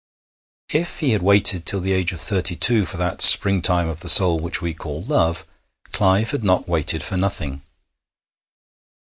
If he had waited till the age of thirty two for that springtime of the soul which we call love, Clive had not waited for nothing.